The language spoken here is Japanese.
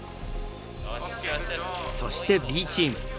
そしてＢチーム。